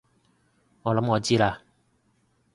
我諗我知喇